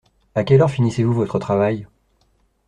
À quelle heure finissez-vous votre travail ?